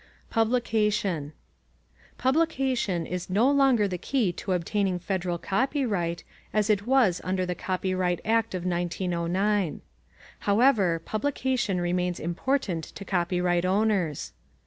PUBLICATION Publication is no longer the key to obtaining federal copyright as it was under the Copyright Act of 1909. However, publication remains important to copyright owners.